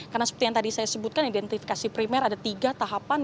karena seperti yang tadi saya sebutkan identifikasi primer ada tiga tahapan